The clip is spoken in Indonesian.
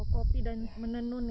kopi dan menenun ya